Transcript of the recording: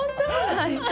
はい。